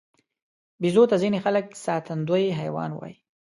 بیزو ته ځینې خلک ساتندوی حیوان وایي.